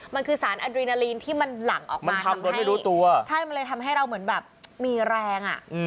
มันคือสารอัดรีนาลีนที่มันหลั่งออกมามันทำให้เราเหมือนมีแรง